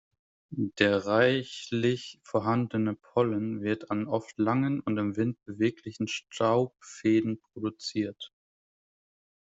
Der reichlich vorhandene Pollen wird an oft langen und im Wind beweglichen Staubfäden produziert.